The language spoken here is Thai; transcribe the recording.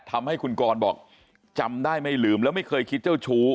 ทำให้คุณกรบอกจำได้ไม่ลืมแล้วไม่เคยคิดเจ้าชู้